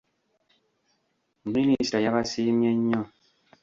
Minisita yabasiimye nnyo.